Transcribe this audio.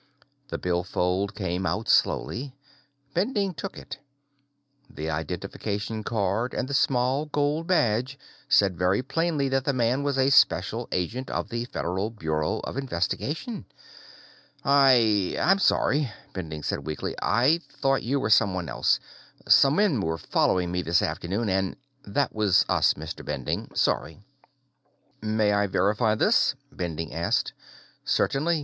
The billfold came out slowly. Bending took it. The identification card and the small gold badge said very plainly that the man was a Special Agent of the Federal Bureau of Investigation. "I ... I'm sorry," Bending said weakly. "I thought you were someone else. Some men were following me this afternoon, and " "That was us, Mr. Bending. Sorry." "May I verify this?" Bending asked. "Certainly.